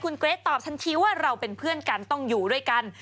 คุณเกรทตอบทันทีว่าเราเป็นเพื่อนกันต้องอยู่ด้วยกัน